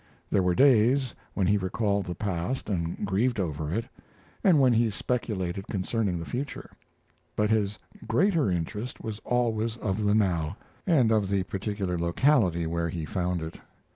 There were days when he recalled the past and grieved over it, and when he speculated concerning the future; but his greater interest was always of the now, and of the particular locality where he found it.